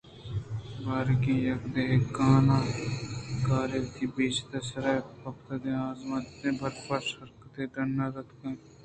بارِیگ یک دہقان کارے وتی بست ءِ سرئے پُگ دان ءَ ازامتیں برف ءِ شرتگے ءَ ڈنّ ءَ دراتک نہ بُوت